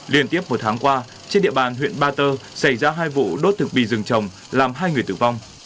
liên tiếp một tháng qua trên địa bàn huyện ba tơ xảy ra hai vụ đốt thực bì rừng trồng làm hai người tử vong